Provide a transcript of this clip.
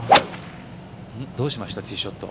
どうしました？